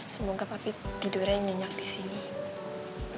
semoga papi tidurnya nyenyak disini